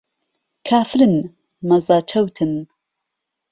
کافرن مەزه چەوتن